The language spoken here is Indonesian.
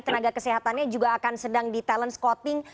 tenaga kesehatannya juga akan sedang di talent scouting